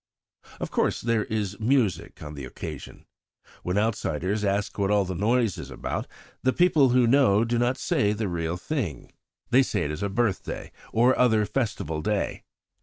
"Of course, there is music on the occasion. When outsiders ask what all the noise is about, the people who know do not say the real thing. They say it is a birthday or other festival day.